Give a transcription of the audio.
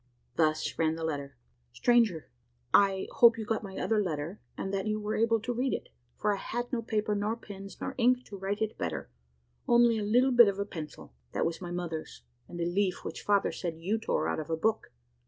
Thus ran the letter: "Stranger! I hope you got my other letter, and that you were able to read it, for I had no paper, nor pens, nor ink to write it better only a little bit of a pencil, that was my mother's, and a leaf which father said you tore out of a book.